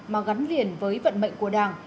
mà gắn liền với vận mệnh của đảng